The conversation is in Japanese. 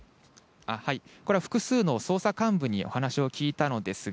これは複数の捜査幹部にお話を聞いたのですが、